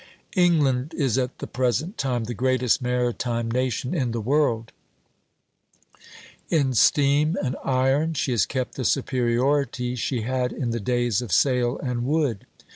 England is at the present time the greatest maritime nation in the world; in steam and iron she has kept the superiority she had in the days of sail and wood.